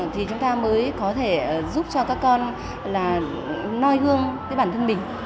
thì chúng ta mới có thể giúp cho các con là noi gương với bản thân mình